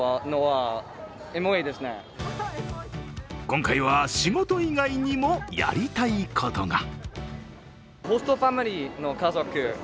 今回は、仕事以外にもやりたいことが。